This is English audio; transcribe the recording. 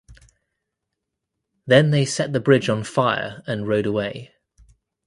Then they set the bridge on fire and rode away.